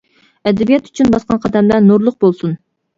ئەدەبىيات ئۈچۈن باسقان قەدەملەر نۇرلۇق بولسۇن!